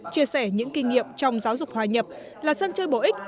chia sẻ những kinh nghiệm trong giáo dục hòa nhập là dân chơi bổ ích